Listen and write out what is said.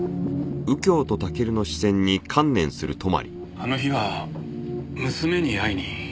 あの日は娘に会いに。